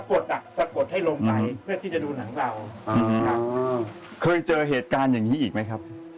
สะกดให้ลงไปเพื่อที่จะดูหนังเราเคยเจอเหตุการณ์อย่างนี้อีกไหมครับ